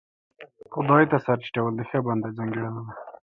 خدای ته سر ټيټول د ښه بنده ځانګړنه ده.